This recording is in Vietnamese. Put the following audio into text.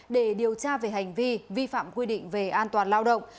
để điều tra về hành vi vi phạm quy định về an toàn lao động